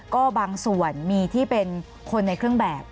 ก็บางส่วนมีที่เป็นคนในเครื่องแบบ